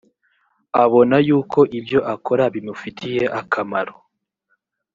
abona yuko ibyo akora bimufitiye akamaro